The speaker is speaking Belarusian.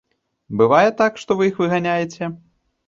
Бывае так, што вы іх выганяеце?